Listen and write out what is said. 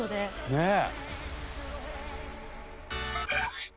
ねえ！